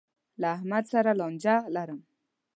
له احمد سره لانجه لرم.